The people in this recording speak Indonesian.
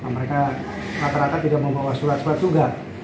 mereka rata rata tidak membawa surat surat juga